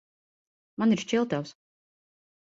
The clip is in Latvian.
Man ir šķiltavas.